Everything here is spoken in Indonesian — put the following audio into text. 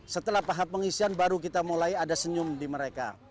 setelah tahap pengisian baru kita mulai ada senyum di mereka